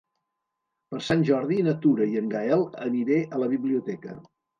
Per Sant Jordi na Tura i en Gaël aniré a la biblioteca.